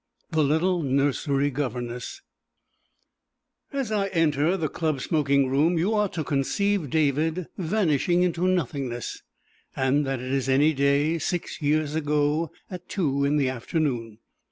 The Little Nursery Governess As I enter the club smoking room you are to conceive David vanishing into nothingness, and that it is any day six years ago at two in the afternoon.